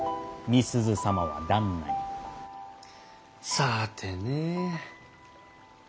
さあてね。